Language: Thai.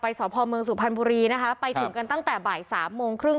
สพเมืองสุพรรณบุรีนะคะไปถึงกันตั้งแต่บ่ายสามโมงครึ่ง